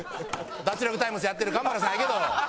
『脱力タイムズ』やってる神原さんやけど！